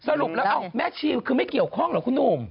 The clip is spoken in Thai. สรุปแล้วแม่ชีคือไม่เกี่ยวข้องเหรอคุณหนุ่ม